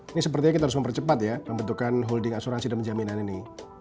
ini sepertinya kita harus mempercepat ya pembentukan holding asuransi dan penjaminan ini